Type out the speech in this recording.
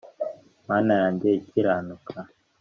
Mana yanjye ikiranuka